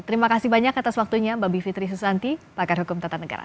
terima kasih banyak atas waktunya mbak bivitri susanti pakar hukum tata negara